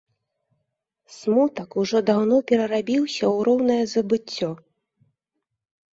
Смутак ужо даўно перарабіўся ў роўнае забыццё.